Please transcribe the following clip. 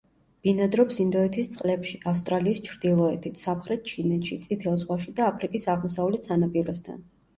ბინადრობს ინდოეთის წყლებში, ავსტრალიის ჩრდილოეთით, სამხრეთ ჩინეთში, წითელ ზღვაში და აფრიკის აღმოსავლეთ სანაპიროსთან.